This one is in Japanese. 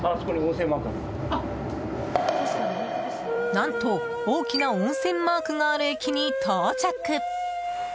何と大きな温泉マークがある駅に到着。